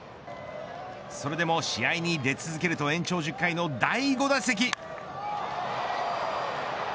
それでも試合に出続けると延長１０回の第５打席。